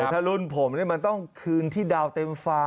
ถ้ารุ่นผมมันต้องคืนที่ดาวเต็มฟ้า